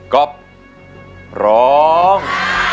ก๊อฟร้อง